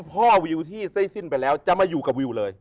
เปลี่ยนครับ